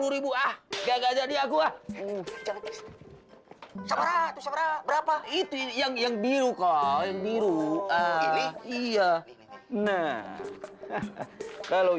rp sepuluh ah nggak jadi aku ah jangan sabar sabar berapa itu yang yang biru biru ah iya nah kalau